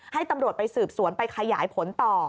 ให้ตำรวจไปสืบสวนไปขยายผลต่อ